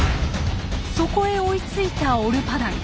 そこへ追いついたオルパダン。